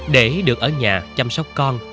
để được ở nhà chăm sóc con